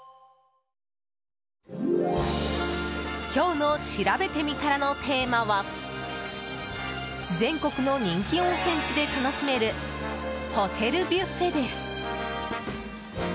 今日のしらべてみたらのテーマは全国の人気温泉地で楽しめるホテルビュッフェです。